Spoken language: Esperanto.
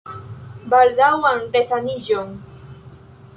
Baldaŭan resaniĝon!